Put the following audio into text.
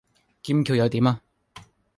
劍橋又點呀?